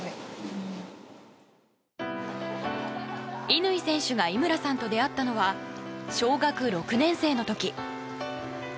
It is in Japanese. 乾選手が井村さんと出会ったのは小学６年生の時。